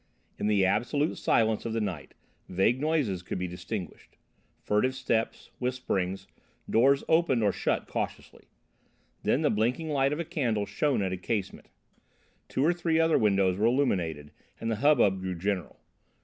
In the absolute silence of the night, vague noises could be distinguished. Furtive steps, whisperings, doors opened or shut cautiously. Then the blinking light of a candle shone at a casement, two or three other windows were illuminated and the hubbub grew general.